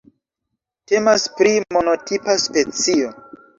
Temas pri monotipa specio.